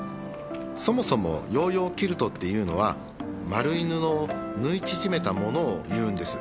そもそもヨーヨーキルトっていうのは丸い布を縫い縮めたものを言うんです。